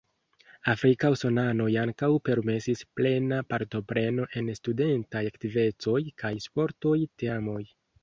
Afrika usonanoj ankaŭ permesis plena partopreno en studentaj aktivecoj kaj sportoj teamoj.